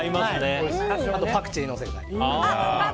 あと、パクチーのせたり。